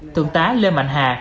tượng tá lê mạnh hà